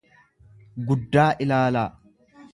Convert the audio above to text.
guddaa ilaalaa.